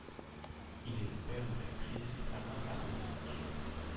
Il est le père de l'actrice Sarah Barzyk.